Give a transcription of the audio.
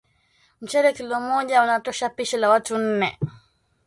Mchele Kilo moja unatosha pishi la watu nne